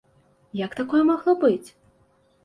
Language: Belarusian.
Як такое магло быць?